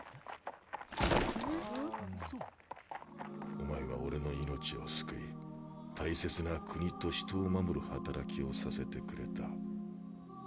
お前は俺の命を救い大切な国と人を守る働きをさせてくれた。